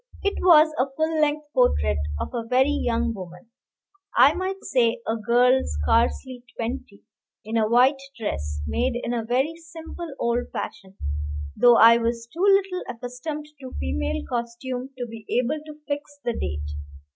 It was a full length portrait of a very young woman I might say a girl scarcely twenty in a white dress, made in a very simple old fashion, though I was too little accustomed to female costume to be able to fix the date.